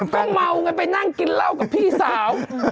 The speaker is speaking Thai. ก็เมากันไปนั่งกินเหล้ากับพี่สาว